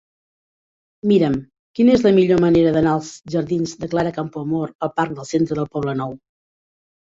Mira'm quina és la millor manera d'anar dels jardins de Clara Campoamor al parc del Centre del Poblenou.